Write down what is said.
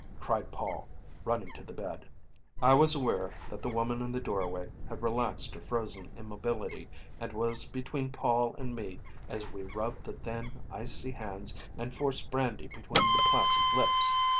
cried Paul, running to the bed. I was aware that the woman in the doorway had relaxed her frozen immobility and was between Paul and me as we rubbed the thin, icy hands and forced brandy between the placid lips.